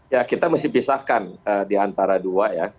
ya kita mesti pisahkan di antara dua ya